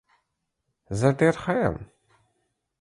زه ډیر ښه یم.